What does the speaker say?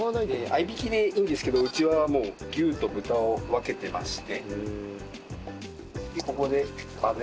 合い挽きでいいんですけどうちはもう牛と豚を分けてまして。